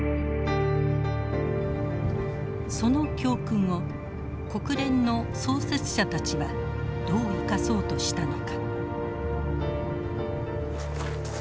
その教訓を国連の創設者たちはどう生かそうとしたのか。